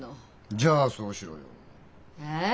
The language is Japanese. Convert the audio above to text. じゃあそうしろよ。え？